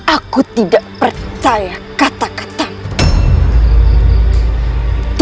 aku tidak percaya kata katamu